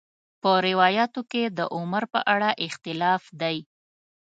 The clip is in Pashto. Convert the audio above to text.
په روایاتو کې د عمر په اړه اختلاف دی.